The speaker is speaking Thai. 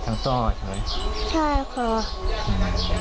ใช่ค่ะ